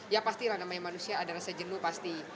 ya pastilah namanya manusia adalah sejenuh pasti